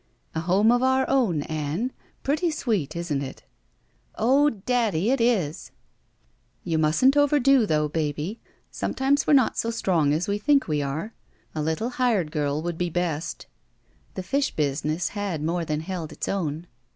"A home of our own, Ann. Pretty sweet, isn't it? " "Oh, daddy, it is!" 2Q6 GUILTY "You mustn't overdo, though, baby. Sometimes we're not so strong as we think we are. A Uttle hired girl would be best." The fish business had more than held its own.